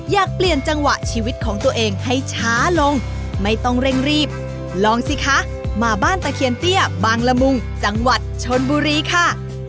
อยากเปลี่ยนจังหวะชีวิตของตัวเองให้ช้าลงไม่ต้องเร่งรีบลองสิคะมาบ้านตะเคียนเตี้ยบางละมุงจังหวัดชนบุรีค่ะ